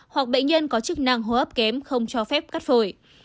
hoặc bệnh nhân có chức năng hô hấp kém không cho phép cắt phổi